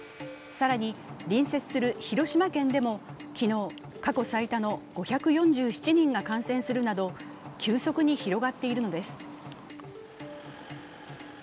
更に隣接する広島県でも昨日、過去最多の５４７人が感染するなど急速に広がっているのです。